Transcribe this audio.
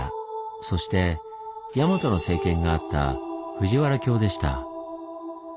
そして大和の政権があった藤原京でした。